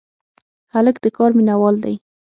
هلک د کار مینه وال دی.